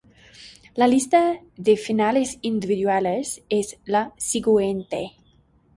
La lista de finales individuales es la siguiente